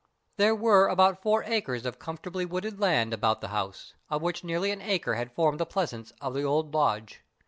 There were about four acres of comfortably wooded land about the house, of which nearly an acre had formed the pleasaunce of the old lodge.